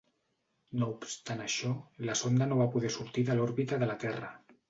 No obstant això, la sonda no va poder sortir de l'òrbita de la Terra.